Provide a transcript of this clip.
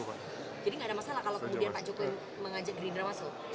jadi tidak ada masalah kalau kemudian pak jokowi mengajak gerindra masuk